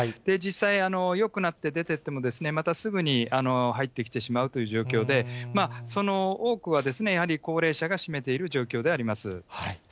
実際、よくなって出ていっても、またすぐに入ってきてしまうという状況で、その多くは、やはり高齢者が占めている状況であります。